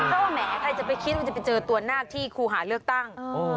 ก็แหมใครจะไปคิดว่าจะไปเจอตัวนาคที่ครูหาเลือกตั้ง